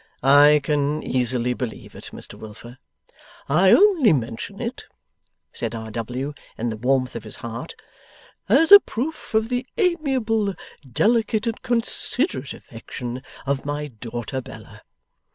'I can easily believe it, Mr Wilfer.' 'I only mention it,' said R. W. in the warmth of his heart, 'as a proof of the amiable, delicate, and considerate affection of my daughter Bella.